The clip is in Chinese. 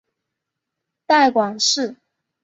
带广市